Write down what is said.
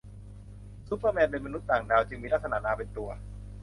ซูเปอร์แมนเป็นมนุษย์ต่างดาว จึงมีลักษณะนามเป็นตัว